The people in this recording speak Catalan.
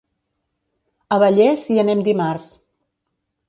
A Vallés hi anem dimarts.